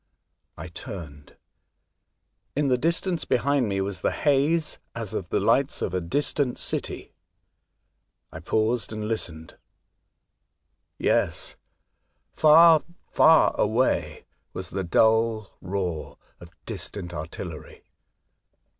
I turned. In the distance behind me was the haze as of the lights of a distant city. I paused and listened. Yes ! The Escape, 19 far, far away was the dull roar of distant artillery.